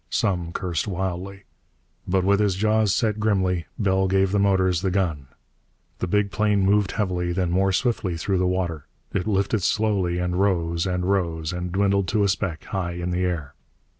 Some cursed wildly. But, with his jaws set grimly, Bell gave the motors the gun. The big plane moved heavily, then more swiftly through the water. It lifted slowly, and rose, and rose, and dwindled to a speck high in the air.